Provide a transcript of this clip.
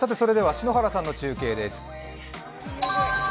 篠原さんの中継です。